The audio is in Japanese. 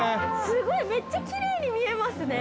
◆すごい、めっちゃきれいに見えますね。